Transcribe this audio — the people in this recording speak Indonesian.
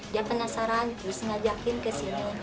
dia penasaran terus ngajakin ke sini